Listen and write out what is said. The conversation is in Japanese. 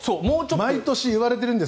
毎年言われているんです。